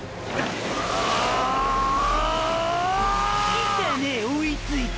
来たね追いついて。